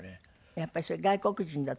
やっぱりそれ外国人だと思われて？